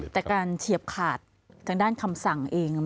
แต่การเฉียบขาดทางด้านคำสั่งเอง